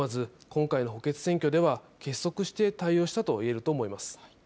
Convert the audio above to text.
今回の補欠選挙では結束して対応したと言えると思います。